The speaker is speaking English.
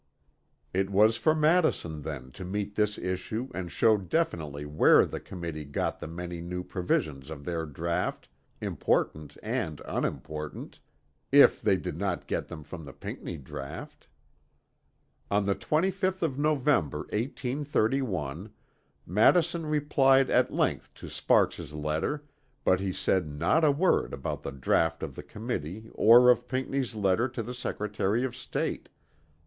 It was for Madison then to meet this issue and show definitely where the Committee got the many new provisions of their draught, important and unimportant, if they did not get them from the Pinckney draught. On the 25th of November, 1831, Madison replied at length to Sparks' letter but he said not a word about the draught of the Committee or of Pinckney's letter to the Secretary of State.